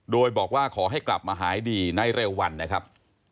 โดยบอกว่าขอให้กลับมาหายดีในเร็ววันนะครับ